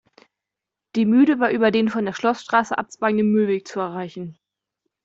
Die Mühle war über den von der Schlossstraße abzweigenden Mühlweg zu erreichen.